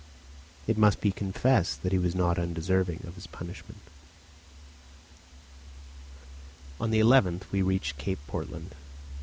It must be confessed he was not undeserving of his punishment. On the 11th we reached Cape Portland.